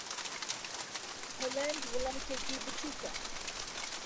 ھۆلەند وڵاتێکی بچووکە.